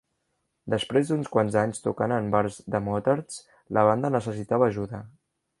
Després d'uns quants anys tocant en bars de motards, la banda necessitava ajuda.